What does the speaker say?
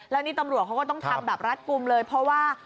แล้วนี่ตำรวจเขาก็ต้องทำแบบรัดกลุ่มเลยเพราะว่า